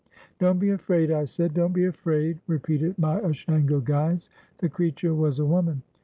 "Don't be afraid," I said. "Don't be afraid," re peated my Ashango guides. The creature was a woman.